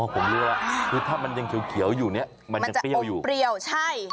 อ๋อผมรู้แล้วคือถ้ามันยังเขียวอยู่มันจะเปรี้ยวใช่